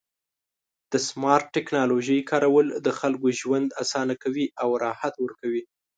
د سمارټ ټکنالوژۍ کارول د خلکو ژوند اسانه کوي او راحت ورکوي.